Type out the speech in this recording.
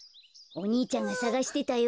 お兄ちゃんがさがしてたよ。